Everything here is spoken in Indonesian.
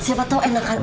siapa tau enakan